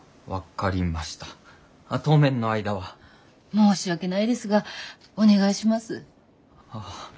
申し訳ないですがお願いします。